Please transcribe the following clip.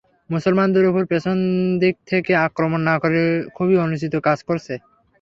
মুসলমানদের উপর পেছন দিক থেকে আক্রমণ না করে খুবই অনুচিত কাজ করেছ।